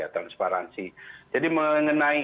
transparansi jadi mengenai